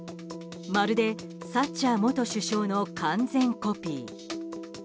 まるでサッチャー元首相の完全コピー。